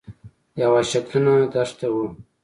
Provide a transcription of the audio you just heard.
یوه شګلنه دښته وه.